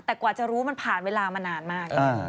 แต่กว่าจะรู้มันผ่านเวลามานานมาก